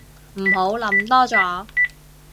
唔好諗多咗